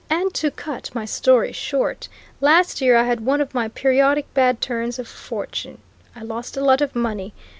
And to cut my story short last year I had one of my periodic bad turns of fortune: I lost a lot of money.